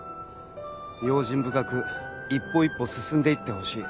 用心深く一歩一歩進んで行ってほしい。